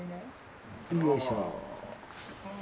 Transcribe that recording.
よいしょ！